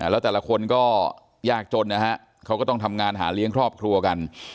แล้วแต่ละคนก็ยากจนนะฮะเขาก็ต้องทำงานหาเลี้ยงครอบครัวกัน